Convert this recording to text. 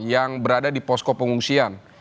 yang berada di posko pengungsian